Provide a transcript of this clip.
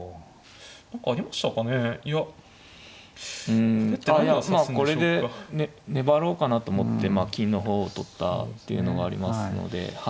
うんまあこれで粘ろうかなと思って金の方を取ったっていうのがありますので。